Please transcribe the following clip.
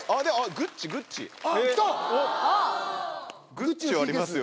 グッチはありますよ。